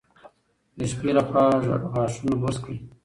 د شپې لخوا غاښونه برس کړئ.